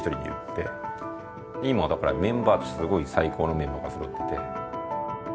今だからメンバーすごい最高のメンバーがそろってて。